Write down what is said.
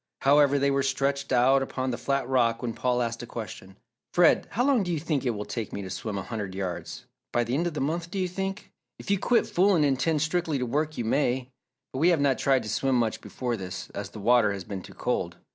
However, they were stretched out upon the flat rock when Paul asked a question. "Fred, how long do you think it will take me to swim a hundred yards? By the end of the month, do you think?" "If you quit fooling and 'tend strictly to work you may. But we have not tried to swim much before this, as the water has been too cold.